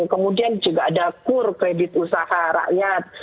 kemudian juga ada kur kredit usaha rakyat